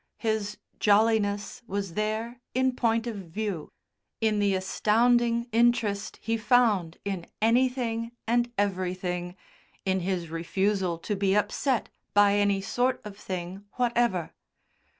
His "jolliness" was there in point of view, in the astounding interest he found in anything and everything, in his refusal to be upset by any sort of thing whatever.